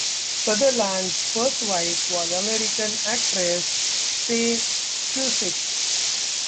Sutherland's first wife was American actress Faye Cusick.